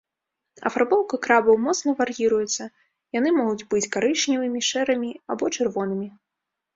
Афарбоўка крабаў моцна вар'іруецца, яны могуць быць карычневымі, шэрымі або чырвонымі.